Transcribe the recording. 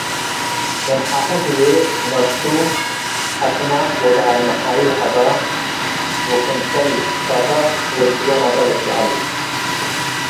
ምን ሓሁ ህዬ ነፍሱ አስነ ወበዐል መሃይብ ሀበ ወክምሰል ፈተ ወድየ ነብረ ልትበሀል።